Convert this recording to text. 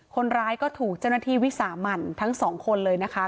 คนร้ายก็ถูกเจ้าหน้าที่วิสามันทั้งสองคนเลยนะคะ